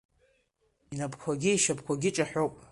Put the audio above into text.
Инапқәагьы ишьапқәагьы ҿаҳәоуп.